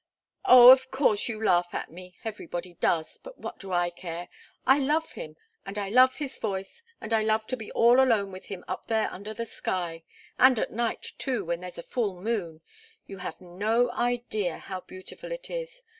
"Oh, of course, you laugh at me. Everybody does. But what do I care? I love him and I love his voice, and I love to be all alone with him up there under the sky and at night, too, when there's a full moon you have no idea how beautiful it is.